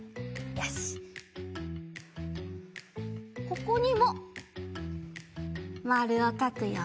ここにもまるをかくよ。